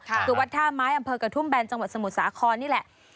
คือวัดท่าไม้อำเภอกระทุ่มแบนจังหวัดสมุทรสาครนี่แหละ